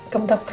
kamu takut apa